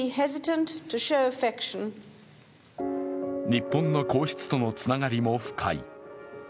日本の皇室とのつながりも深い。